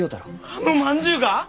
あのまんじゅうが！？